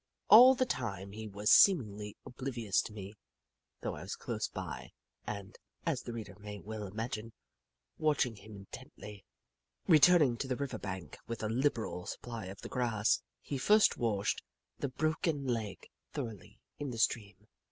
All the time he was seemingly oblivious of me, though I was close by and, as the reader may well imagine, watching him intently. Returning to the river bank with a liberal supply of the grass, he first washed the broken Jim Crow 115 leg thoroughly in the stream.